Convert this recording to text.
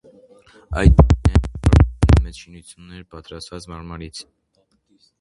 Այդ պահին այն աշխարհում ամենամեծ շինությունն էր՝ պատրաստված մարմարից։